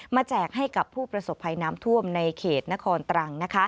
แจกให้กับผู้ประสบภัยน้ำท่วมในเขตนครตรัง